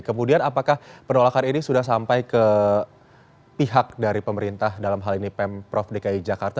kemudian apakah penolakan ini sudah sampai ke pihak dari pemerintah dalam hal ini pemprov dki jakarta